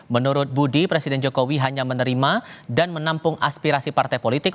menurut budi presiden jokowi hanya menerima dan menampung aspirasi partai politik